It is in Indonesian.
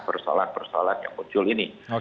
persoalan persoalan yang muncul ini